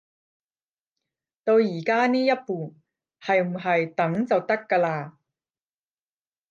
到而家呢一步，係唔係等就得㗎喇